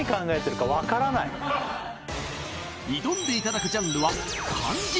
挑んでいただくジャンルは漢字